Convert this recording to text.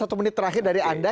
satu menit terakhir dari anda